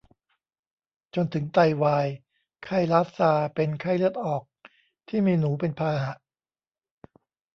จนถึงไตวาย ไข้ลาสซาเป็นไข้เลือดออกที่มีหนูเป็นพาหะ